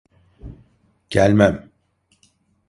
Gelmem.